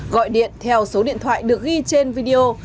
gọi điện theo số điện thoại được ghi trên video